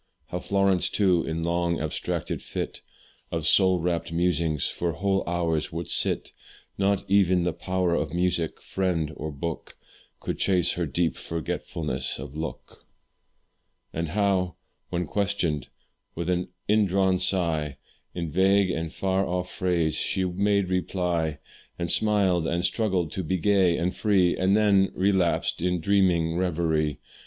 How Florence too, in long abstracted fit Of soul wrapt musing, for whole hours would sit; Nor even the power of music, friend, or book, Could chase her deep forgetfulness of look; And how, when questioned with an indrawn sigh, In vague and far off phrase, she made reply, And smiled and struggled to be gay and free, And then relapsed in dreaming reverie.